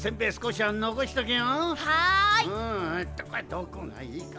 どこがいいか？